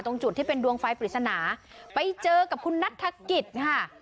จุดที่เป็นดวงไฟปริศนาไปเจอกับคุณนัฐกิจค่ะ